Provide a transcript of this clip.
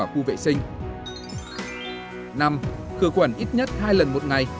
năm khử khuẩn ít nhất hai lần một ngày